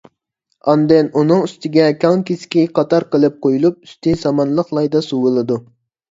ئاندىن ئۇنىڭ ئۈستىگە كاڭ كېسىكى قاتار قىلىپ قويۇلۇپ، ئۈستى سامانلىق لايدا سۇۋىلىدۇ.